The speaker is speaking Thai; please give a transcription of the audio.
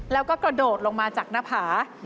แล้วก็กระโดดลงมาจากหน้าผา